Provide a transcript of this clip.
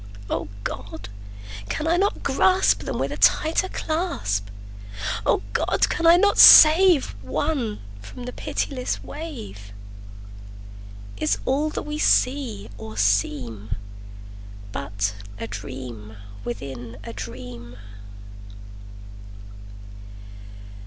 O God! can I not grasp Them with a tighter clasp? O God! can I not save One from the pitiless wave? Is all that we see or seem But a dream within a dream?